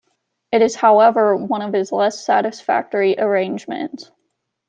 It is however one of his less satisfactory arrangements.